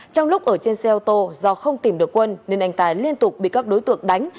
trong lúc ở trên xe ô tô do không tìm được quân nên anh tài liên tục bị các đối tượng đánh